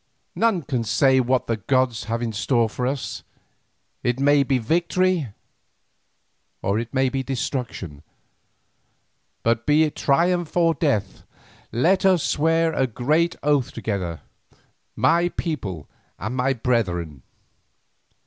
None can say what the gods have in store for us, it may be victory or it may be destruction, but be it triumph or death, let us swear a great oath together, my people and my brethren.